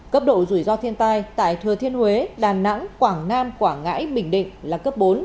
cấp độ rủi ro thiên tai tại thừa thiên huế đà nẵng quảng nam quảng ngãi bình định là cấp bốn